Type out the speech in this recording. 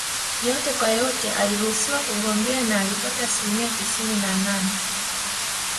Yote kwa yote aliruhusiwa kugombea na alipata asilimia tisini na nane